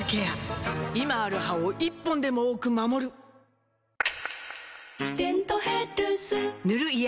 今ある歯を１本でも多く守る「デントヘルス」塗る医薬品も